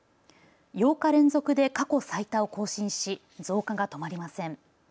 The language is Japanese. ８日連続で過去最多を更新し増加が止まりません。